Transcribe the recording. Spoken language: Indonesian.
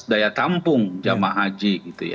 daya tampung jama' haji